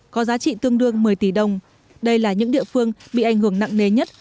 có giá trị tương đương một mươi tỷ đồng đây là những địa phương bị ảnh hưởng nặng nề nhất